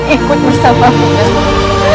ibu undang akan ikut bersama ibu undang